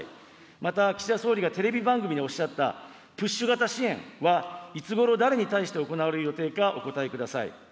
また岸田総理がテレビ番組でおっしゃった、プッシュ型支援はいつごろ、誰に対して行われる予定かお答えください。